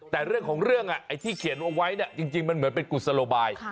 แต่เรื่องของเรื่องไอ้ที่เขียนเอาไว้จริงมันเหมือนเป็นกุศโลบาย